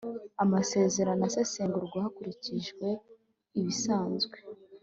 Amasezerano asesengurwa hakurikijwe ibisanzwe